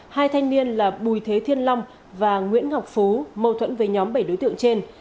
hai thanh niên là bùi thế thiên long và nguyễn ngọc phú mâu thuẫn với nhóm bảy đối tượng trên